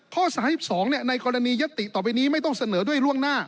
ข้อสามสิบสองเนี้ยในกรณียัตติต่อไปนี้ไม่ต้องเสนอด้วยล่วงหน้า